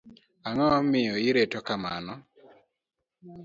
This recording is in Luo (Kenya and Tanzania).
Ang'o miyo ireto kamano?